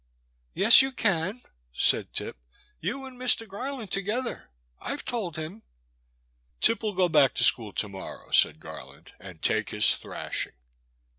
Yes you can,*' said Tip —you and Mr. Gar land together. I *ve told him.'* Tip will go back to school to morrow,*' said Garland, and take his thrashing.